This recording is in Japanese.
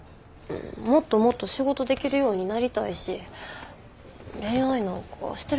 もっともっと仕事できるようになりたいし恋愛なんかしてる